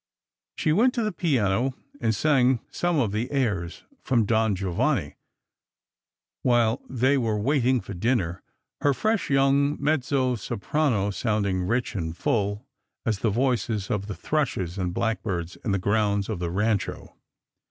She went to the piano and sang some of the airs from Don Giovanni while they were wait ing for dinner ; her fresh young mezzo soprano sounding ricti and full as the voices of the thrushes and blackbirds in the grounds of the Kancho.